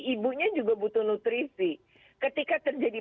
ibunya juga butuh nutrisi ketika terjadi